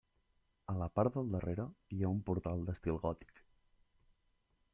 A la part del darrere hi ha un portal d'estil gòtic.